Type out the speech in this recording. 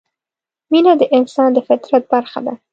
مینه د انسان د فطرت برخه ده.